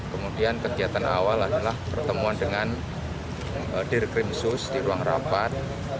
kemudian kegiatan awal adalah pertemuan dengan dir krimsus di ruang rapat